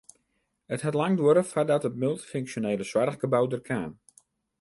It hat lang duorre foardat it multyfunksjonele soarchgebou der kaam.